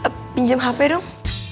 pinjam hp dong